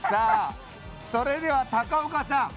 それでは高岡さん